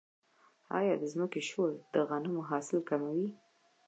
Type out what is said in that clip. آیا د ځمکې شور د غنمو حاصل کموي؟